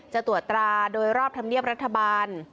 จะตรวจตราโดยรอบธรรมเนียบรัฐบาล